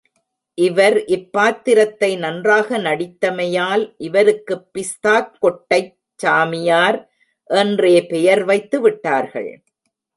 இவர் இப் பாத்திரத்தை நன்றாக நடித்தமையால் இவருக்கு பிஸ்தாக் கொட்டைச் சாமியார் என்றே பெயர் வைத்து விட்டார்கள்.